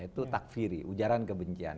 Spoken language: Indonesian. itu takfiri ujaran kebencian